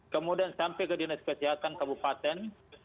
kemudian sampai ke dinas kesehatan kabupaten